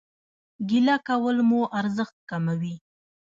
ګيله کول مو ارزښت کموي